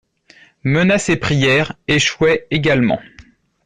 Menaces et prières échouaient également.